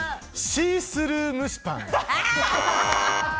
シースルー蒸しパン。